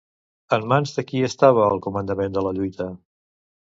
En mans de qui estava el comandament de la lluita?